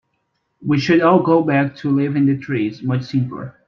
We should all go back to living in the trees, much simpler.